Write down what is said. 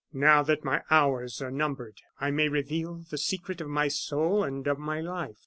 Now that my hours are numbered, I may reveal the secret of my soul and of my life.